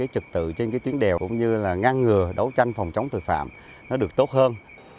trật tự trên tuyến đèo cũng như là ngang ngừa đấu tranh phòng chống tội phạm nó được tốt hơn